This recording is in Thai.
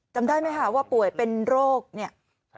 จำได้ไหมคะว่าป่วยเป็นโรคเนี่ย